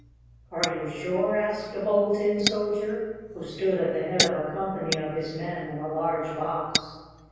"Are you sure?" asked a Bold Tin Soldier, who stood at the head of a company of his men in a large box.